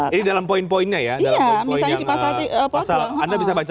ini dalam poin poinnya ya